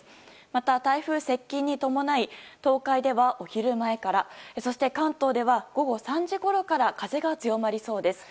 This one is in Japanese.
また台風接近に伴い東海ではお昼前からそして関東では午後３時ごろから風が強まりそうです。